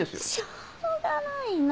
しょうがないなあ。